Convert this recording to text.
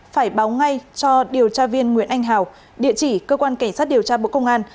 phải báo ngay cho điều tra viên nguyễn anh hào địa chỉ cơ quan cảnh sát điều tra bộ công an